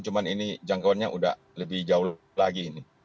cuma ini jangkauannya sudah lebih jauh lagi